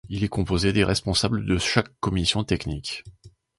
Il est composé des responsables de chaque commission technique.